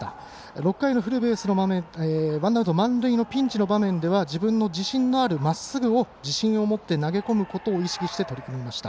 ６回のワンアウト、満塁のピンチの場面では自分の自信のあるまっすぐを自信を持って投げ込むことを意識してと言いました。